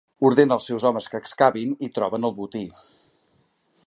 Ordena els seus homes que excavin i troben el botí.